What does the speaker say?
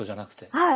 はい。